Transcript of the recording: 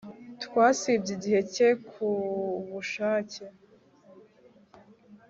Twasibye igihe cye ku bushake